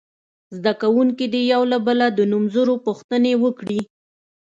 زده کوونکي دې یو له بله د نومځرو پوښتنې وکړي.